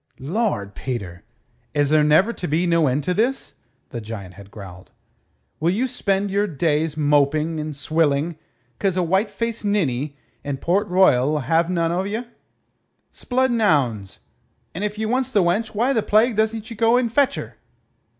"Lord, Peter! Is there never to be no end to this?" the giant had growled. "Will you spend your days moping and swilling 'cause a white faced ninny in Port Royal'll have none o' ye? 'Sblood and 'ounds! If ye wants the wench, why the plague doesn't ye go and fetch her?"